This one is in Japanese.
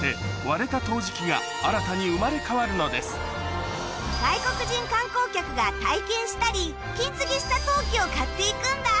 このようにして外国人観光客が体験したり金継ぎした陶器を買って行くんだ。